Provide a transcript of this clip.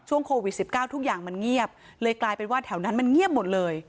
โควิด๑๙ทุกอย่างมันเงียบเลยกลายเป็นว่าแถวนั้นมันเงียบหมดเลย